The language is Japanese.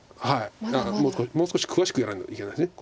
もう少し詳しくやらないといけないですね。